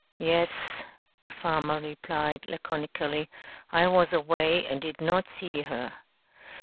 "Yes," the farmer replied laconically. "I was away and did not see her."